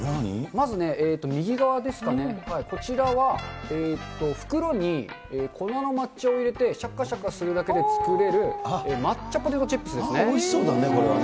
まず、右側ですかね、こちらは、袋に粉の抹茶を入れてしゃかしゃかするだけで作れる、抹茶ポテトおいしそうだね、これはね。